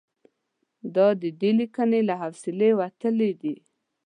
دا د دې لیکنې له حوصلې وتلي دي.